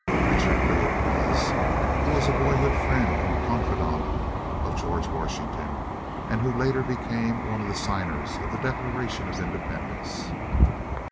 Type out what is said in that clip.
Richard Lee it was, who was a boyhood friend and confidant of George Washington; and who later became one of the signers of the Declaration of Independence.